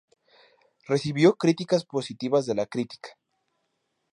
Recibió críticas positivas de la crítica.